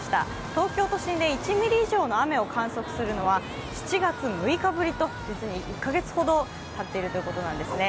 東京都心で１ミリ以上の雨を観測するのは７月６日ぶりと、実に１か月ほどたっているということなんですね。